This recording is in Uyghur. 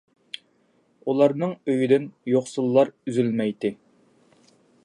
ئۇلارنىڭ ئۆيىدىن يوقسۇللار ئۈزۈلمەيتتى.